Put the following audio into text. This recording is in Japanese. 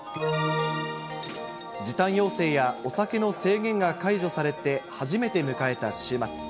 時短要請やお酒の制限が解除されて初めて迎えた週末。